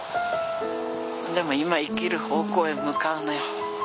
でも今生きる方向へ向かうのよ。